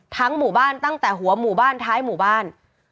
หมู่บ้านตั้งแต่หัวหมู่บ้านท้ายหมู่บ้าน